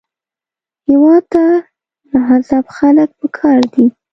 هېواد ته مهذب خلک پکار دي